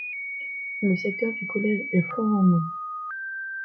Le secteur du collège est Font-Romeu.